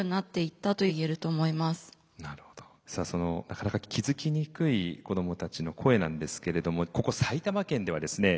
なかなか気づきにくい子どもたちの声なんですけれどもここ埼玉県ではですね